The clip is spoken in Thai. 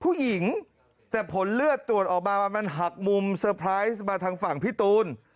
ผู้หญิงแต่ผลเลือดตรวจออกมามันหักมุมเซอร์ไพรส์มาทางฝั่งพี่ตูน